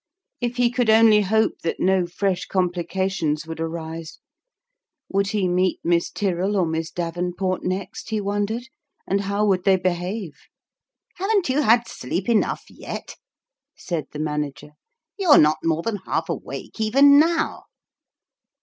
If he could only hope that no fresh complications would arise ! Would he meet Miss Tyrrell or Miss Davenport next, he won dered, and how would they behave ?" Haven't you had sleep enough yet ?" said the Manager. " You're not more than half awake even now